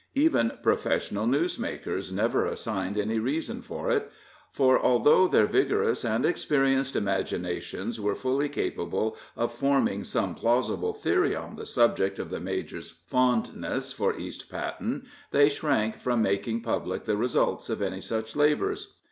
Even professional newsmakers never assigned any reason for it, for although their vigorous and experienced imaginations were fully capable of forming some plausible theory on the subject of the major's fondness for East Patten, they shrank from making public the results of any such labors.